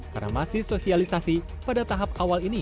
karena masih sosialisasi pada tahap awal ini